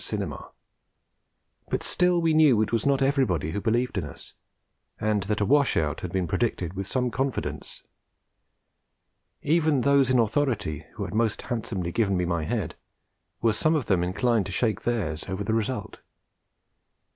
Cinema; but still we knew it was not everybody who believed in us, and that 'a wash out' had been predicted with some confidence. Even those in authority, who had most handsomely given me my head, were some of them inclined to shake theirs over the result.